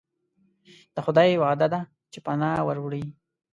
د خدای وعده ده چې پناه وروړي.